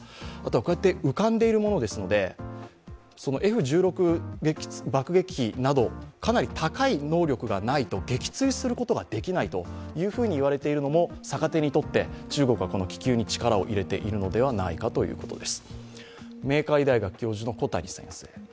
こうやって浮かんでいるものですので、Ｆ−１６戦闘機などかなり高い能力がないと撃墜することができないといわれているのも逆手にとって中国はこの気球に力を入れているのではないかということです。